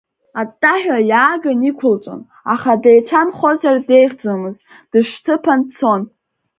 Аттаҳәа иааган иқәылҵон, аха деицәамхозар деиӷьхомызт, дышьҭыԥан дцон…